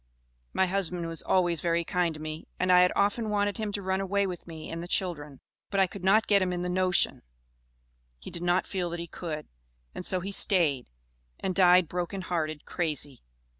My husband was always very kind to me, and I had often wanted him to run away with me and the children, but I could not get him in the notion; he did not feel that he could, and so he stayed, and died broken hearted, crazy.